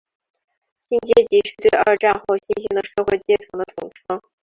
新阶级是对二战后新兴的社会阶层的统称。